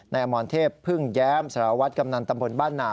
อมรเทพพึ่งแย้มสารวัตรกำนันตำบลบ้านหนา